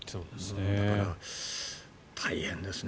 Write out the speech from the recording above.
だから大変ですね。